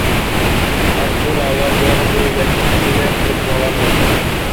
আবদুল আউয়াল জৌনপুরী ছিলেন প্রতিভাবান লেখক।